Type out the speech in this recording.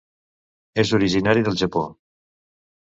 És originari del Japó.